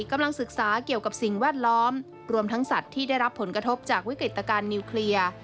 กำลังศึกษาเกี่ยวกับสิ่งแวดล้อมรวมทั้งสัตว์ที่ได้รับผลกระทบจากวิกฤตการณ์นิวเคลียร์